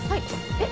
えっ？